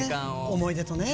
思い出とね。